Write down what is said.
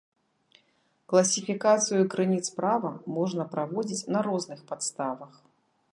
Класіфікацыю крыніц права можна праводзіць на розных падставах.